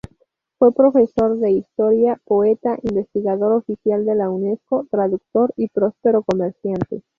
Fue profesor de historia, poeta, investigador oficial de la Unesco, traductor y próspero comerciante.